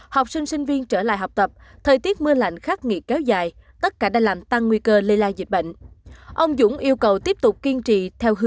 học sinh sinh viên trở lại học tập thời tiết mưa lạnh khắc nghiệt kéo dài tất cả đã làm tăng nguy cơ lây lan dịch bệnh